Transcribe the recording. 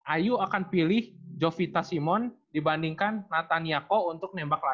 ayu akan pilih jovita simon dibandingkan nathania ko untuk menutup obrolan